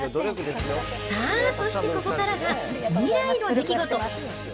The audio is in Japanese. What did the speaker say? さあ、そしてここからが未来の出来事。